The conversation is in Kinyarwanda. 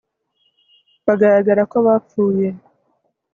bagaragara ko bapfuye